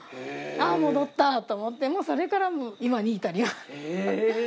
あー、戻ったって思って、もうそれから、今に至ります。